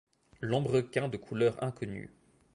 Lambrequins de couleur inconnue.